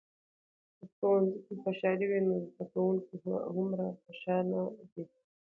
که په ښوونځي کې خوشالي وي، نو زده کوونکي هومره خوشحال دي.